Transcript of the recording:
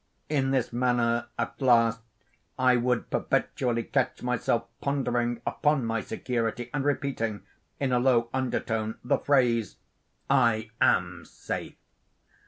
In this manner, at last, I would perpetually catch myself pondering upon my security, and repeating, in a low undertone, the phrase, "I am safe."